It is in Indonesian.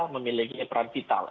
memiliki peran vital